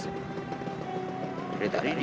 ah ta'anya dia